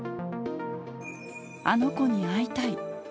あの子に会いたい。